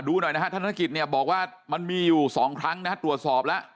ดูหน่อยท่านธนกิจบอกว่ามันมีอยู่๒ครั้งตรวจสอบแล้ว